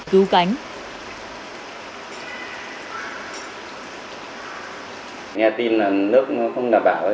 nghe tin là nước không đảm bảo ấy